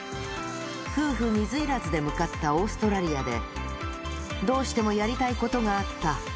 夫婦水入らずで向かったオーストラリアで、どうしてもやりたいことがあった。